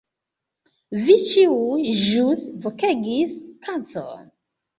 Vi ĉiuj ĵus vokegis "kacon"